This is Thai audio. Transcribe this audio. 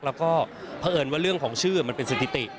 แล้วก็เพราะเอิญว่าเรื่องของชื่อมันเป็นสถิติ